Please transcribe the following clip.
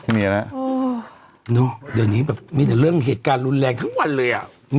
เมียนะเดี๋ยวนี้แบบมีแต่เรื่องเหตุการณ์รุนแรงทั้งวันเลยอ่ะ